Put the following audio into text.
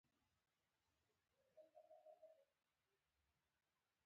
د کوفمان او راسګونوف له لیکونو خبر شوی وای.